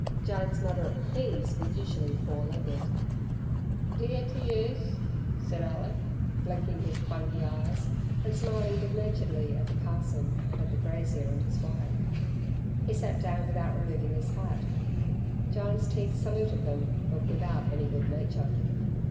Jyne's moderate fees were usually four legged. "D'y ter yous," said Alick, blinking his bungy eyes, and smiling good naturedly at the parson and at the grazier and his wife. He sat down without removing his hat. Jyne's teeth saluted them but without any good nature.